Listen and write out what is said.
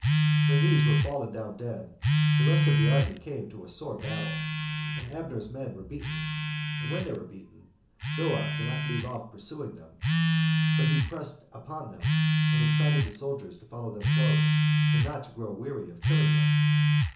When these were fallen down dead, the rest of the army came to a sore battle, and Abner's men were beaten; and when they were beaten, Joab did not leave off pursuing them, but he pressed upon them, and excited the soldiers to follow them close, and not to grow weary of killing them.